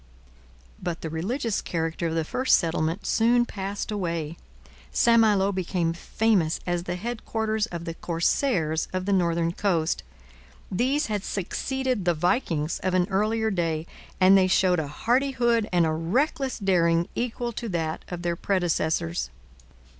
But the religious character of the first settlement soon passed away. St Malo became famous as the headquarters of the corsairs of the northern coast. These had succeeded the Vikings of an earlier day, and they showed a hardihood and a reckless daring equal to that of their predecessors.